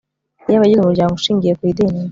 Iyo abagize umuryango ushingiye ku idini